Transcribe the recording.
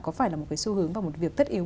có phải là một cái xu hướng và một việc tất yếu